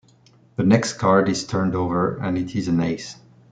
The next card is turned over, and it is an ace.